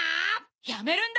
やめるんだ！